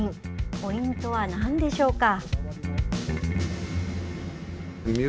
ポイントはなんでしょうか？